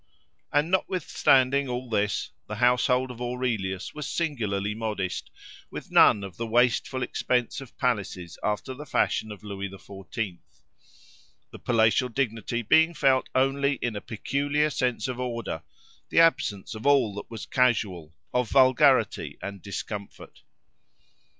And notwithstanding all this, the household of Aurelius was singularly modest, with none of the wasteful expense of palaces after the fashion of Lewis the Fourteenth; the palatial dignity being felt only in a peculiar sense of order, the absence of all that was casual, of vulgarity and discomfort.